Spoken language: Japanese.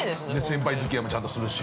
◆先輩づきあいもちゃんとするし。